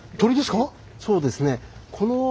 そうですね。